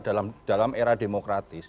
dalam dalam era demokratis